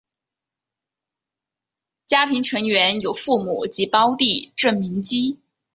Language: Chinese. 家庭成员有父母及胞弟郑民基。